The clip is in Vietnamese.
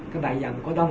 cái bài giảm cỏ đông